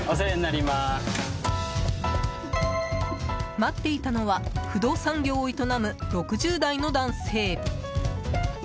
待っていたのは不動産業を営む６０代の男性。